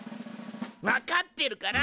分かってるから！